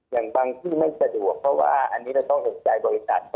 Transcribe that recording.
อย่างบางที่ไม่สะดวกเพราะว่าอันนี้เราต้องเห็นใจบริษัท